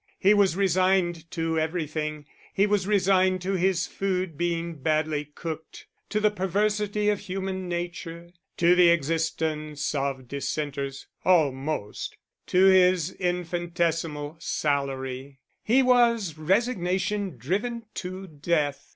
He was resigned to everything; he was resigned to his food being badly cooked, to the perversity of human nature, to the existence of dissenters (almost), to his infinitesimal salary; he was resignation driven to death.